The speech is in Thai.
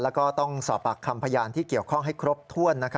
แล้วก็ต้องสอบปากคำพยานที่เกี่ยวข้องให้ครบถ้วน